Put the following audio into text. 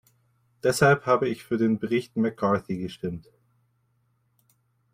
Deshalb habe ich für den Bericht McCarthy gestimmt.